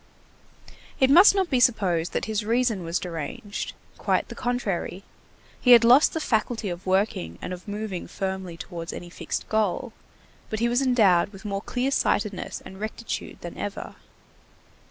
It must not be supposed that his reason was deranged. Quite the contrary. He had lost the faculty of working and of moving firmly towards any fixed goal, but he was endowed with more clear sightedness and rectitude than ever.